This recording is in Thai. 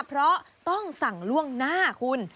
เพราะต้องสั่งล่วงหน้าคุณ